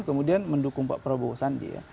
kemudian mendukung pak prabowo sandi ya